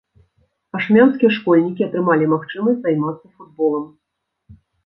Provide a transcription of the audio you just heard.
Ашмянскія школьнікі атрымалі магчымасць займацца футболам.